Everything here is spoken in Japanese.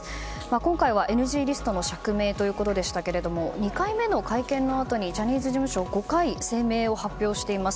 今回はＮＧリストの釈明ということでしたけれども２回目の会見のあとにジャニーズ事務所は５回、声明を発表しています。